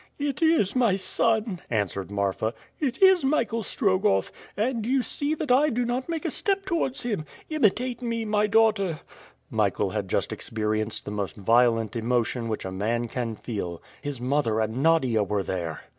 "It is my son," answered Marfa, "it is Michael Strogoff, and you see that I do not make a step towards him! Imitate me, my daughter." Michael had just experienced the most violent emotion which a man can feel. His mother and Nadia were there!